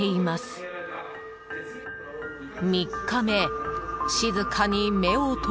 ［３日目］